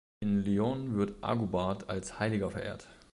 In Lyon wird Agobard als Heiliger verehrt.